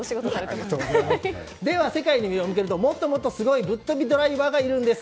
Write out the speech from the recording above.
では、世界に目を向けるともっともっとすごいぶっとびドライバーがいるんです。